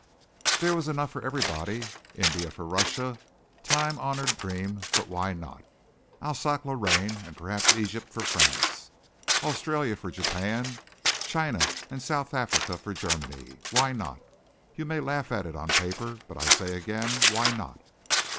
"There was enough for everybody India for Russia, a time honoured dream, but why not? Alsace Lorraine and perhaps Egypt, for France; Australia for Japan; China and South Africa for Germany. Why not? You may laugh at it on paper but I say again why not?"